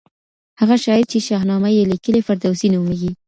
هغه شاعر چي شاهنامه يې ليکلې، فردوسي نومېږي.